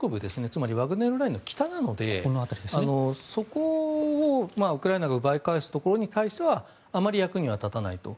つまりワグネルラインの北なのでそこをウクライナが奪い返すことに対してはあまり役には立たないと。